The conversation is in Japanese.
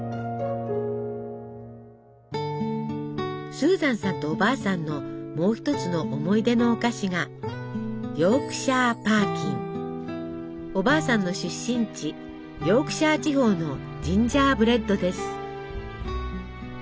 スーザンさんとおばあさんのもう一つの思い出のお菓子がおばあさんの出身地ヨークシャー地方のジンジャーブレッドです。